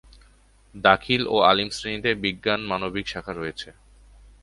দাখিল ও আলিম শ্রেণীতে বিজ্ঞান, মানবিক শাখা রয়েছে।